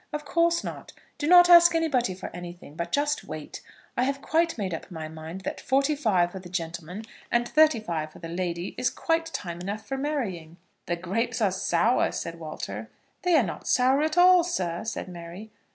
"Of course not. Do not ask anybody for anything, but just wait. I have quite made up my mind that forty five for the gentleman, and thirty five for the lady, is quite time enough for marrying." "The grapes are sour," said Walter. "They are not sour at all, sir," said Mary.